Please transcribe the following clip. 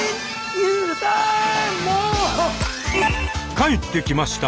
帰ってきました